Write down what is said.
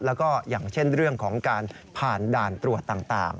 แล้วก็อย่างเช่นเรื่องของการผ่านด่านตรวจต่าง